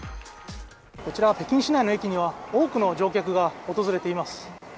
こちら北京市内の駅には多くの乗客が訪れています。